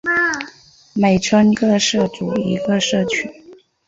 每村各设组一个社区。